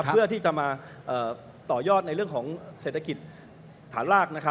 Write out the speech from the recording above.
เพื่อที่จะมาต่อยอดในเรื่องของเศรษฐกิจฐานราก